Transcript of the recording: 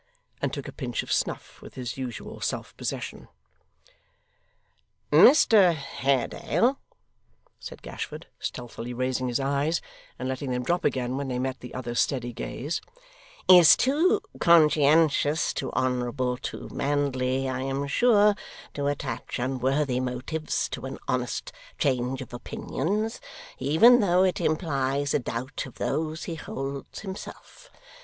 and took a pinch of snuff with his usual self possession. 'Mr Haredale,' said Gashford, stealthily raising his eyes, and letting them drop again when they met the other's steady gaze, 'is too conscientious, too honourable, too manly, I am sure, to attach unworthy motives to an honest change of opinions, even though it implies a doubt of those he holds himself.